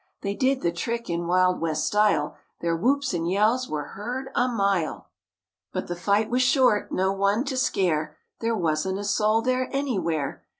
They did the trick in Wild West style; Their whoops and yells were heard a mile; mtt But the fight was short; no one to scare; There wasn't a soul there anywhere.